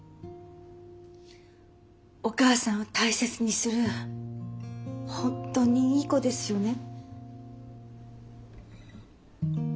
お母さんを大切にする本当にいい子ですよね。